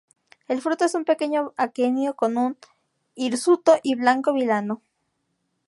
El fruto es un pequeño aquenio con un hirsuto y blanco vilano.